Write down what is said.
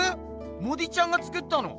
モディちゃんが作ったの？